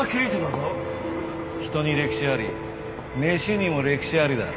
人に歴史あり飯にも歴史ありだ。